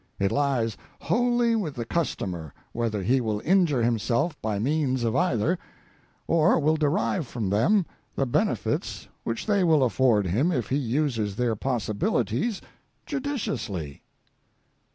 It lies wholly with the customer whether he will injure himself by means of either, or will derive from them the benefits which they will afford him if he uses their possibilities judiciously.